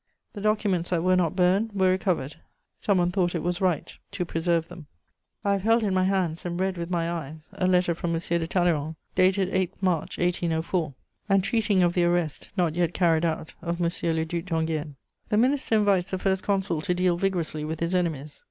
The documents that were not burned were recovered; some one thought it was right to preserve them: I have held in my hands and read with my eyes a letter from M. de Talleyrand, dated 8 March 1804, and treating of the arrest, not yet carried out, of M. le Duc d'Enghien. The Minister invites the First Consul to deal vigorously with his enemies.